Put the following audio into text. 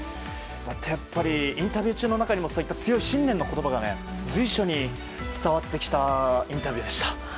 やっぱりインタビュー中の中にも強い信念の言葉が随所に伝わってきたインタビューでした。